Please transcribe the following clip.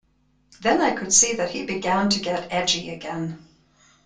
Then I could see that he began to get edgy again.